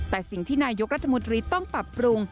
แต่สิ่งที่นายกรัฐมนตรีต้องปรับปรุง